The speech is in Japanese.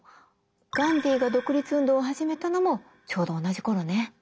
ガンディーが独立運動を始めたのもちょうど同じ頃ね。